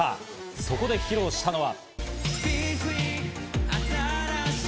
そこで披露したのは。